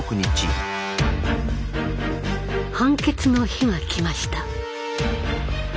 判決の日が来ました。